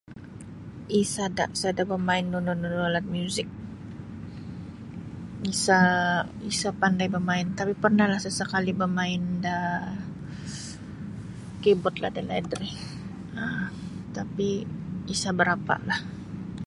Isada sada bamain da nunu-nunu alat muzik isa isa pandai bamain tapi parnah la sesekali bamain da keyboard da laid ri um tapi isa barapa lah.